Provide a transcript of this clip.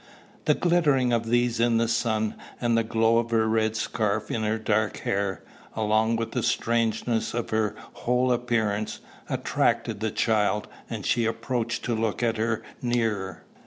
The glittering of these in the sun, and the glow of her red scarf in her dark hair, along with the strangeness of her whole appearance, attracted the child, and she approached to look at her nearer.